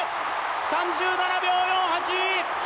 ３７秒４８。